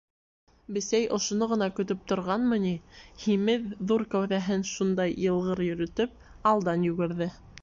Бесәй, ошоно ғына көтөп торғанмы ни, һимеҙ, ҙур кәүҙәһен шундай йылғыр йөрөтөп, алдан йүгерҙе.